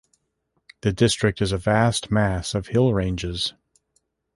The district is a vast mass of hill ranges.